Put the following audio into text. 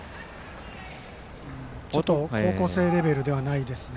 ちょっと高校生レベルではないですね。